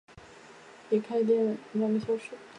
离开店时间还有两个小时